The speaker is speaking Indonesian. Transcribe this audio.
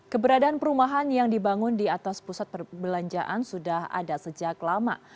keberadaan perumahan yang dibangun di atas pusat perbelanjaan sudah ada sejak lama